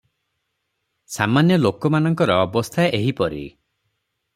ସାମାନ୍ୟ ଲୋକମାନଙ୍କର ଅବସ୍ଥା ଏହିପରି ।